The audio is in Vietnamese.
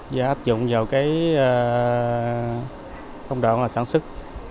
và áp dụng vào công đoạn sản xuất